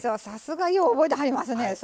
さすがよう覚えてはりますね。